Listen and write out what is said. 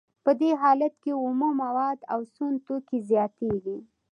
په دې حالت کې اومه مواد او سون توکي زیاتېږي